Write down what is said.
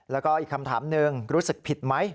แล้วก็อีกคำถามหนึ่งรู้สึกผิดไหม